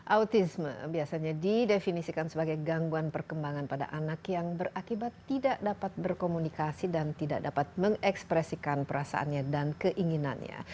autisme biasanya didefinisikan sebagai gangguan perkembangan pada anak yang berakibat tidak dapat berkomunikasi dan tidak dapat mengekspresikan perasaannya dan keinginannya